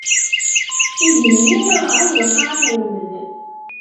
Igenni iṛeɛɛed, lqaɛa tremmed.